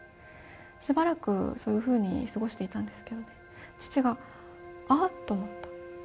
しばらく、そういうふうに過ごしていたんですけどね、父があっと思った。